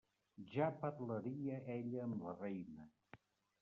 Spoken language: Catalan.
Ja parlaria ella amb la reina.